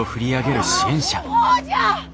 ほうじゃ！